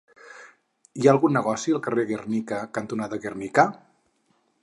Hi ha algun negoci al carrer Gernika cantonada Gernika?